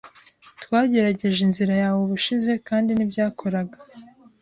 Twagerageje inzira yawe ubushize kandi ntibyakoraga.